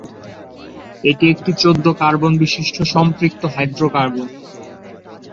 এটি একটি চোদ্দ কার্বন বিশিষ্ট সম্পৃক্ত হাইড্রোকার্বন।